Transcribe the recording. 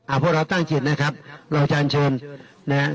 อะพวกเราตั้งจิตนะครับเราจะเชิญได้ฟะ